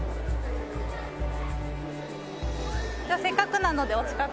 じゃあせっかくなのでお近くで。